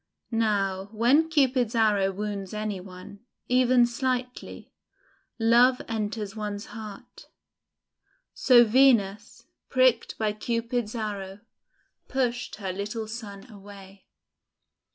Now when Cupid's arrow wounds any one, even slightly, love enters one's heart. So Venus, pricked by Cupid's arrow, pushed her little son away.